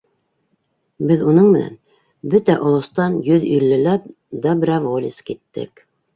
Беҙ уның менән бөтә олостан йөҙ иллеләп доброволец киттек.